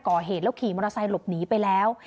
ก่อเหตุแล้วขี่มอเตอร์ไซค์หลบหนีไปแล้ว